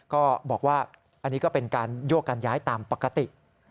ก็บอกว่าอันนี้ก็เป็นการโยกการย้ายตามปกติ